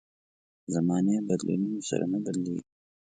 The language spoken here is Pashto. زمانې بدلونونو سره نه بدلېږي.